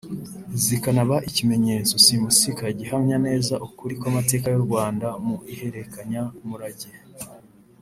zikanaba ikimenyetso simusiga gihamya neza ukuri kw’amateka y’u Rwanda mu iherekanyamurage